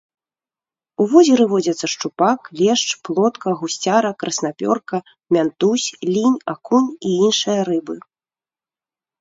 У возеры водзяцца шчупак, лешч, плотка, гусцяра, краснапёрка, мянтуз, лінь, акунь і іншыя рыбы.